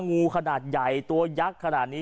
งูขนาดใหญ่ตัวยักษ์ขนาดนี้